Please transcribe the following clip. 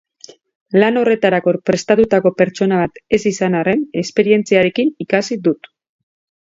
Lan horretarako prestatutako pertsona bat ez izan arren, esperientziarekin ikasi dut.